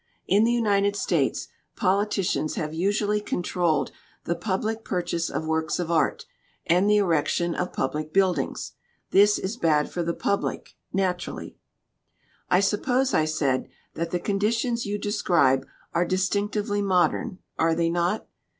In the United States politicians have usually controlled the public purchase of works of art and the erection of public buildings. This is bad for the public, naturally." "I suppose," I said, "that the conditions you describe are distinctively modern, are they not?